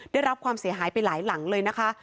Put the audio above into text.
ได้รับความเสียหายไปหลายหลังเลยนะคะ